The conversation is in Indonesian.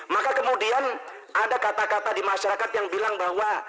maka kemudian ada kata kata di masyarakat yang bilang bahwa